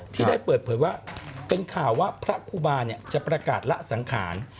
ที่ได้เปิดเผยว่าเป็นข่าวว่าพระครูบาจะประกาศละสังขาร